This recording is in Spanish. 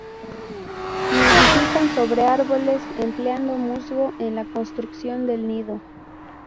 Nidifican sobre árboles, empleando musgo en la construcción del nido.